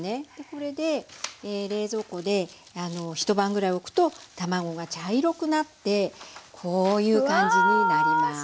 これで冷蔵庫で一晩ぐらいおくと卵が茶色くなってこういう感じになります。